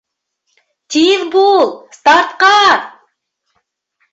— Тиҙ бул, стартҡа!